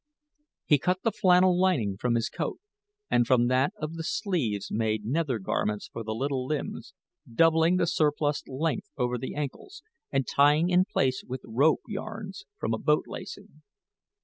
He cut the flannel lining from his coat, and from that of the sleeves made nether garments for the little limbs, doubling the surplus length over the ankles and tying in place with rope yarns from a boat lacing.